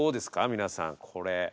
皆さんこれ。